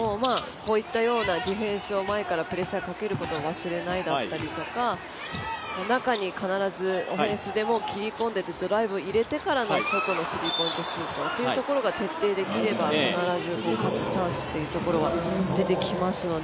こういったようなディフェンスを前からプレッシャーをかけることを忘れないだったりとか中に必ずオフェンスでも切り込んでいって外のスリーポイントシュートというところが徹底できれば必ず、勝つチャンスというところは出てきますので。